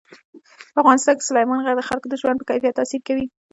په افغانستان کې سلیمان غر د خلکو د ژوند په کیفیت تاثیر کوي.